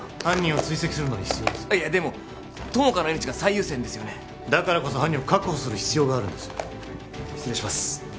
犯人を追跡するのに必要ですでも友果の命が最優先ですよねだからこそ犯人を確保する必要があるんです失礼します